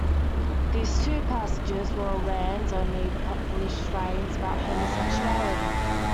These two passages were Rand's only published writings about homosexuality.